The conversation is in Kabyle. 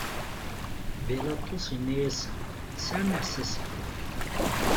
Bilaṭus inna-asen: Tesɛam iɛessasen.